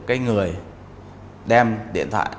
cái người đem điện thoại